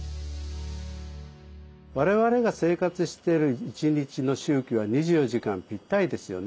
我々が生活している一日の周期は２４時間ピッタリですよね。